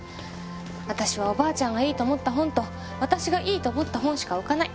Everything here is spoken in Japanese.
私はおばあちゃんがいいと思った本と私がいいと思った本しか置かない。